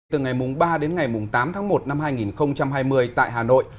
từ ngày ba đến ngày tám tháng một năm hai nghìn hai mươi tại hà nội